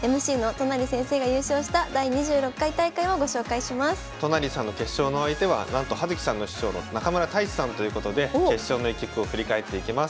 都成さんの決勝の相手はなんと葉月さんの師匠の中村太地さんということで決勝の一局を振り返っていきます。